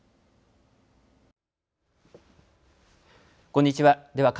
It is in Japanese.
こんにちは。